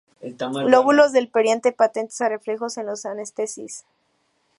Lóbulos del perianto patentes a reflejos en la antesis.